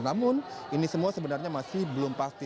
namun ini semua sebenarnya masih belum pasti